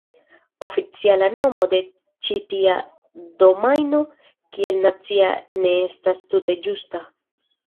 Oficiala nomo de ĉi tia domajno kiel "nacia" ne estas tute ĝusta.